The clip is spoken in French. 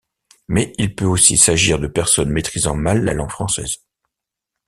Mais il peut aussi s'agir de personnes maîtrisant mal la langue française.